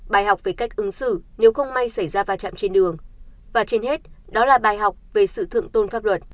bài học về cách ứng xử nếu không may xảy ra va chạm trên đường và trên hết đó là bài học về sự thượng tôn pháp luật